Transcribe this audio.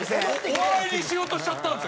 お笑いにしようとしちゃったんですよ